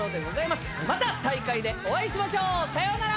また大会でお会いしましょう！さようなら！